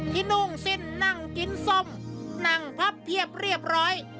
นุ่งสิ้นนั่งกินส้มนั่งพับเทียบเรียบร้อย